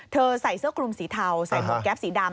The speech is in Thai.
ใส่เสื้อคลุมสีเทาใส่หมวกแก๊ปสีดำ